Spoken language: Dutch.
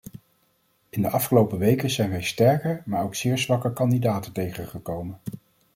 In de afgelopen weken zijn wij sterke, maar ook zeer zwakke kandidaten tegengekomen.